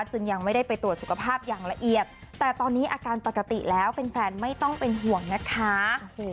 จึงยังไม่ได้ไปตรวจสุขภาพอย่างละเอียดแต่ตอนนี้อาการปกติแล้วแฟนไม่ต้องเป็นห่วงนะคะ